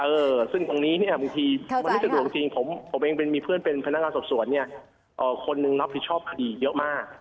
เออซึ่งตรงนี้เนี่ยบางทีมันไม่สะดวกจริงผมเองมีเพื่อนเป็นพนักงานสอบสวนเนี่ยคนหนึ่งรับผิดชอบคดีเยอะมาก